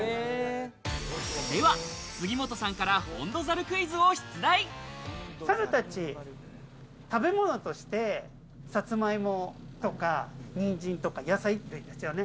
では杉本さんからホンドザル猿たち食べ物として、サツマイモとかにんじんとか野菜類ですよね。